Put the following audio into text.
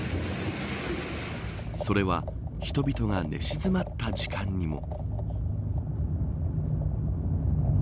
それは人々が寝静まった時間にも。